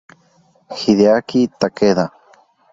Hideaki Takeda